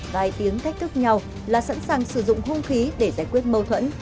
vài tiếng thách thức nhau là sẵn sàng sử dụng hung khí để giải quyết mâu thuẫn